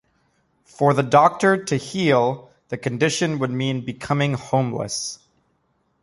For the doctor to heal the condition would mean becoming homeless.